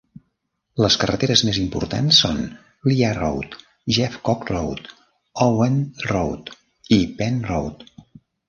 Les carreteres més importants són Lea Road, Jeffcock Road, Owen Road i Penn Road.